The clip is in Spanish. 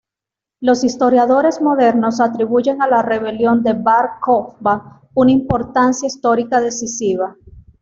Los historiadores modernos atribuyen a la rebelión de Bar Kojba una importancia histórica decisiva.